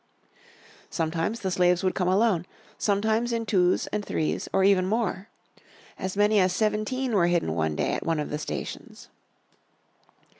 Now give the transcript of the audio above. Sometimes the slavers would come alone, sometimes in twos and threes or even more. As many as seventeen were hidden one day at one of the stations.